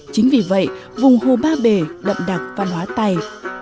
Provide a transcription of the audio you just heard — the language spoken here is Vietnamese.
chính vì vậy vùng hồ ba bể đậm đặc văn hóa tày